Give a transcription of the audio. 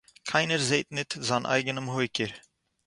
קײנער זעט ניט זײַן אײגענעם הױקער.